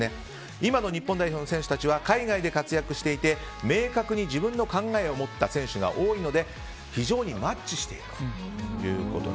今の日本代表の選手たちは海外で活躍していて明確に自分の考えを持った選手が多いので非常にマッチしているということです。